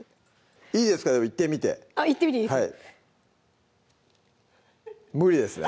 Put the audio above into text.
いいですかいってみていってみていいです無理ですね